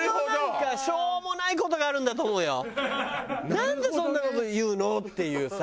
なんでそんな事言うの？っていうさ。